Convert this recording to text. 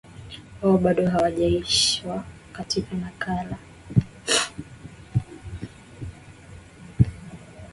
wao bado hawajainishwa Katika nakala hii tutakuambia